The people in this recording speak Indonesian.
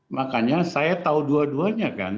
makanya saya tahu dua duanya kan